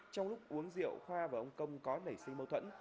trong lúc uống rượu khoa và ông công có nảy sinh mâu thuẫn